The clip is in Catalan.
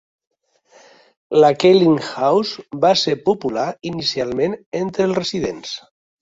La Keeling House va ser popular inicialment entre els residents.